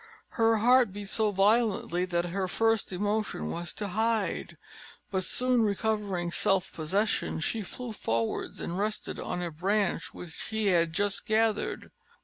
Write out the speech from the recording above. Her heart beat so violently, that her first emotion was to hide, but, soon recovering self possession, she flew forwards and rested on a branch which he had just gathered.